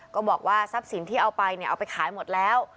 ก็บอกว่าทรัพย์สินที่เอาไปเอาไปขายหมดแล้ว